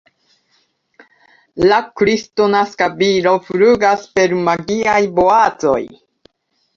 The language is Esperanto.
La kristnaska viro flugas per magiaj boacoj.